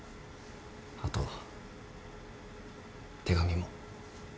あと手紙も。